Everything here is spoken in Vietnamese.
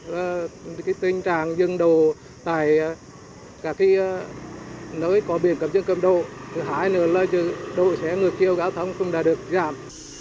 cái tình trạng dừng đỗ tại các nơi có biển cầm dừng cầm đỗ hải nửa lơi dừng đỗ sẽ ngược chiều giao thông không đạt được giảm